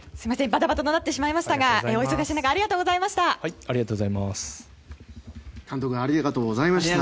バタバタとなってしまいましたがお忙しい中ありがとうございました。